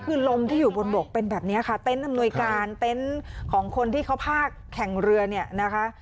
คือลมที่อยู่บนบกเป็นแบบนี้ค่ะเต็นต์อำนวยการเต็นต์ของคนที่เขาพากแข่งเรือเนี่ยนะคะ